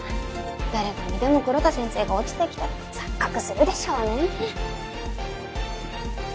誰が見ても黒田先生が落ちて来たって錯覚するでしょうね。